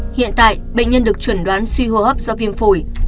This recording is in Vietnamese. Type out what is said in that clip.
hiện tại bệnh nhân được chuẩn đoán suy hô hấp do viêm phổi